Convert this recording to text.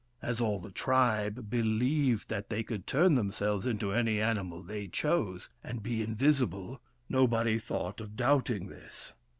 As all the tribe believed that they could turn themselves into any animal they chose, and be invisible, nobody thought of doubting this.